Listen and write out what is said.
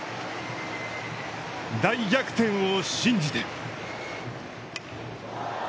大逆転を信じて。